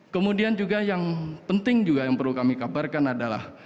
kemudian juga yang penting juga yang perlu kami kabarkan adalah